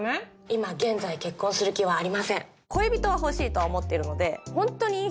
今現在結婚する気はありません